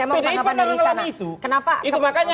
pdip pernah mengalami itu itu makanya